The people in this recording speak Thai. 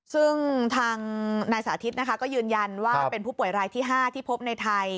ซึ่งทางนายสาธิตนะคะก็ยืนยันว่าเป็นผู้ป่วยรายที่๕ที่พบในไทย